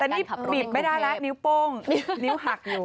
แต่นี่บีบไม่ได้แล้วนิ้วโป้งนิ้วหักอยู่